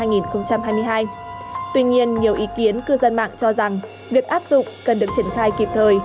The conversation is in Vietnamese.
tuy nhiên nhiều ý kiến cư dân mạng cho rằng việc áp dụng cần được triển khai kịp thời